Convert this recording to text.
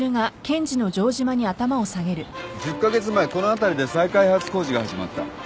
１０カ月前この辺りで再開発工事が始まった。